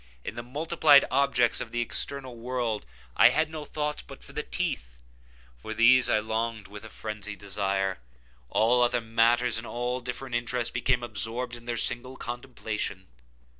In the multiplied objects of the external world I had no thoughts but for the teeth. For these I longed with a phrenzied desire. All other matters and all different interests became absorbed in their single contemplation.